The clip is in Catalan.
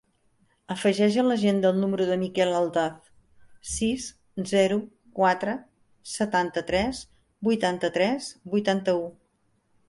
Afegeix a l'agenda el número del Miquel Aldaz: sis, zero, quatre, setanta-tres, vuitanta-tres, vuitanta-u.